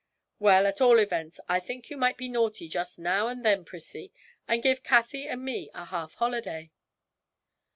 'Well, at all events, I think you might be naughty just now and then, Prissie, and give Cathie and me a half holiday.'